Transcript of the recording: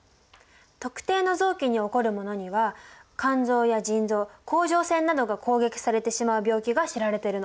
特定の臓器に起こるものには肝臓や腎臓甲状腺などが攻撃されてしまう病気が知られてるの。